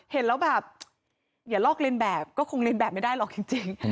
เห็นแล้วแบบอย่าลอกเรียนแบบก็คงเรียนแบบไม่ได้หรอกจริง